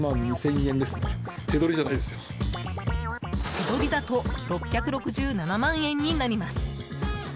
手取りだと６６７万円になります。